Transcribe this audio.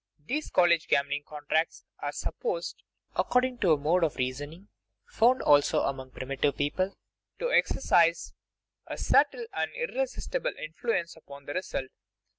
These college gambling contracts are supposed (according to a mode of reasoning found also among primitive peoples) to exercise a subtle and irresistible influence upon the result.